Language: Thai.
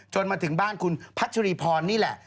มาถึงบ้านคุณพัชรีพรนี่แหละ